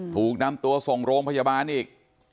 ถูกนำตัวส่งโรงพยาบาลอีก